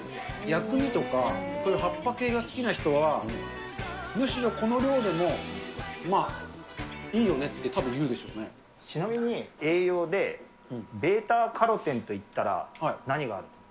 薬味とか、こういう葉っぱ系が好きな人は、むしろこの量でもいいよねって、ちなみに、栄養でベータカロテンといったら、何が？